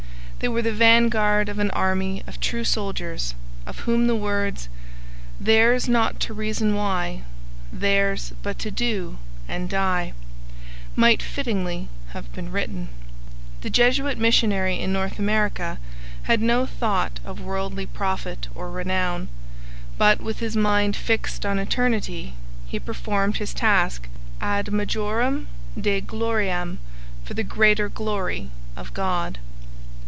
They were the vanguard of an army of true soldiers, of whom the words Theirs not to reason why, Theirs but to do and die, might fittingly have been written. The Jesuit missionary in North America had no thought of worldly profit or renown, but, with his mind fixed on eternity, he performed his task ad majorem Dei gloriam, for the greater glory of God.